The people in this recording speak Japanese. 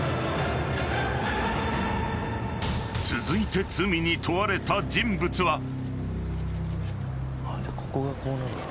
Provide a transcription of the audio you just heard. ［続いて罪に問われた人物は］